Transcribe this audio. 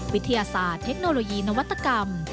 วิทยาศาสตร์เทคโนโลยีนวัตกรรม